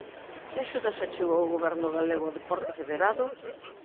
¿Que axudas achegou o Goberno galego ao deporte federado?